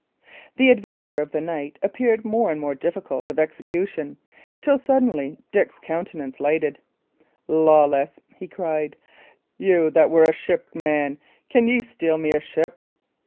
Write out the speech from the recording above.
The adventure of the night appeared more and more difficult of execution, till suddenly Dick's countenance lightened. "Lawless!" he cried, "you that were a shipman, can ye steal me a ship?"